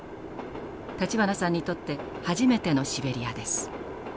立花さんにとって初めてのシベリアです。